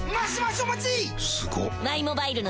すごっ！